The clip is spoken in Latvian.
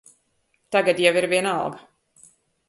Tagad jau ir vienalga.